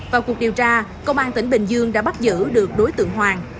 vào cuộc điều tra công an tỉnh bình dương đã bắt giữ được đối tượng hoàng